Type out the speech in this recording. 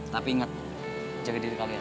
tapi ingat jaga diri kamu ya